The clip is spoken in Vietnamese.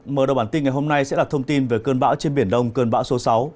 mở đầu bản tin ngày hôm nay sẽ là thông tin về cơn bão trên biển đông cơn bão số sáu